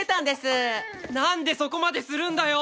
なんでそこまでするんだよ！